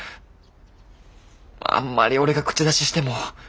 あんまり俺が口出ししても。